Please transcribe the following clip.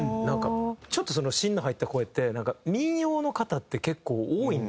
ちょっとその芯の入った声って民謡の方って結構多いんですよ。